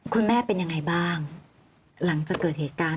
คุณแม่เป็นยังไงบ้างหลังจากเกิดเหตุการณ์